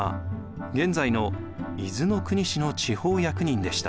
現在の伊豆の国市の地方役人でした。